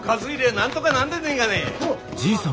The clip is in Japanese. なんとがなんでねえがね？